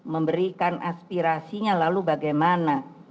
memberikan aspirasinya lalu bagaimana